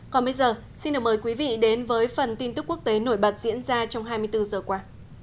còn bây giờ xin mời quý vị đến với phần tin tức quốc tế nổi bật diễn ra trong hai mươi bốn giờ qua